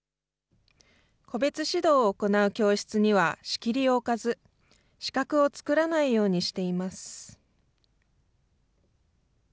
個別指導を行う教室には仕切りを置かず、死角を作らないようにしています。